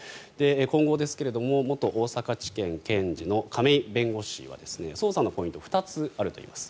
今後ですが元大阪地検検事の亀井弁護士は捜査のポイント２つあるといいます。